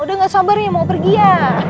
udah gak sabar ya mau pergi ya